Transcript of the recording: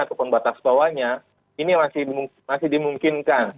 ataupun batas bawahnya ini masih dimungkinkan